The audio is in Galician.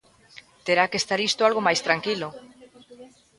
Terá que estar isto algo máis tranquilo.